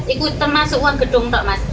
itu termasuk uang gedung mas